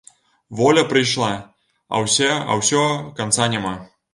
Воля прыйшла, а ўсё канца няма.